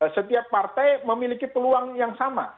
setiap partai memiliki peluang yang sama